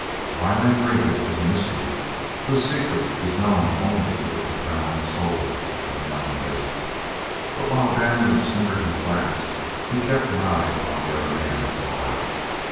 Why men drink it is a mystery whose secret is known only to the profound soul of the mountain desert. But while Daniels fingered his glass he kept an eye upon the other man at the bar.